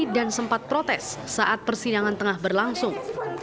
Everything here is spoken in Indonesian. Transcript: dan sempat protes saat persidangan tengah berlangsung